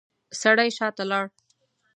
سړی شاته لاړ.